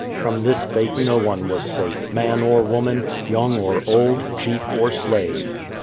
From this fate no one was safe, man or woman, young or old, chief or slave.